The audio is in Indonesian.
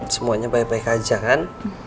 semuanya baik baik aja kan